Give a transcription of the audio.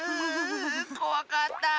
こわかった！